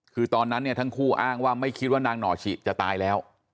คือตอนนั้นเนี่ยทั้งคู่อ้างว่าไม่คิดว่านางหน่อฉิจะตายแล้ว